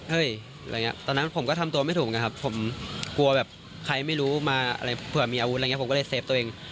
อะไรอย่างนี้ตอนนั้นผมก็ทำตัวไม่ถูกนะครับผมกลัวแบบใครไม่รู้มาอะไรเผื่อมีอาวุธอะไรอย่างนี้ผมก็เลยเซฟตัวเอง